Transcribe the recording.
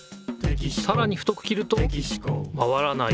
さらに太く切るとまわらない。